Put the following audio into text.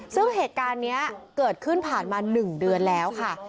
ซึ่งเหตุการณ์นี้เกิดขึ้นผ่านมา๑เดือนแล้วค่ะ